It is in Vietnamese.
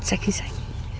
sạch thì sạch